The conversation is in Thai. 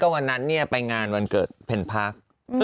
ก็วันนั้นเนี่ยไปงานวันเกิดเพ่นพัก